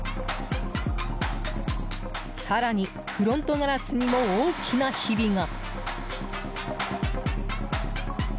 更に、フロントガラスにも大きなひびが。